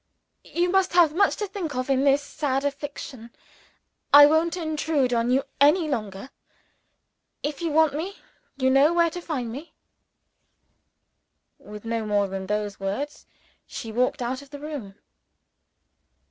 "You must have much to think of in this sad affliction: I won't intrude on you any longer. If you want me, you know where to find me." With no more than those words, she walked out of the room.